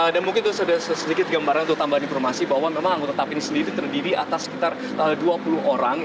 dan mungkin itu sedikit gambarnya untuk tambah informasi bahwa memang anggota tapinis sendiri terdiri atas sekitar dua puluh orang